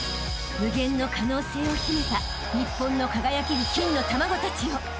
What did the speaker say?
［無限の可能性を秘めた日本の輝ける金の卵たちよ］